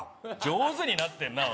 上手になってんな